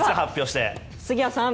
杉谷さん